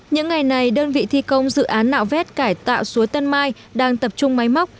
những ngày này đơn vị thi công dự án nạo vét cải tạo suối tân mai đang tập trung máy móc